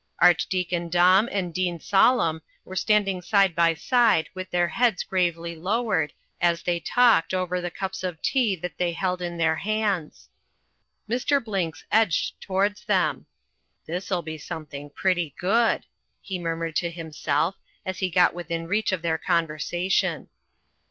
Archdeacon Domb and Dean Sollem were standing side by side with their heads gravely lowered, as they talked, over the cups of tea that they held in their hands. Mr. Blinks edged towards them. "This'll be something pretty good," he murmured to himself as he got within reach of their conversation.